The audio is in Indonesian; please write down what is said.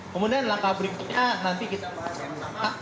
kemudian langkah berikutnya nanti kita bahas yang pertama